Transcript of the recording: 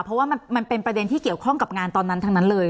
เพราะว่ามันเป็นประเด็นที่เกี่ยวข้องกับงานตอนนั้นทั้งนั้นเลย